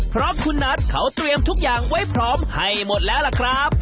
เพราะคุณนัทเขาเตรียมทุกอย่างไว้พร้อมให้หมดแล้วล่ะครับ